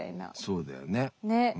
そうだよね。